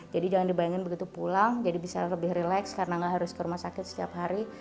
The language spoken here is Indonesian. jadi jangan dibayangin begitu pulang jadi bisa lebih relax karena gak harus ke rumah sakit setiap hari